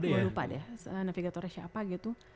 gue lupa deh navigatornya siapa gitu